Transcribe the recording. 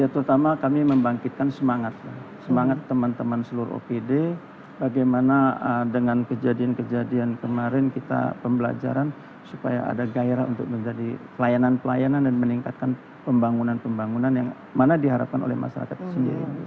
terutama kami membangkitkan semangat teman teman seluruh opd bagaimana dengan kejadian kejadian kemarin kita pembelajaran supaya ada gairah untuk menjadi pelayanan pelayanan dan meningkatkan pembangunan pembangunan yang mana diharapkan oleh masyarakat itu sendiri